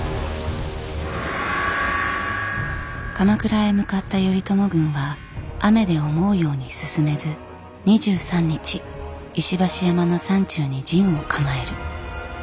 鎌倉へ向かった頼朝軍は雨で思うように進めず２３日石橋山の山中に陣を構える。